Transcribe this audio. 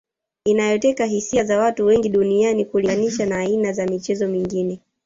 inayoteka hisia za watu wengi duniani kulinganisha na aina za michezo mingine